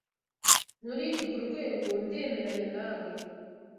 Muri urwo rwego, ndemeranya nawe.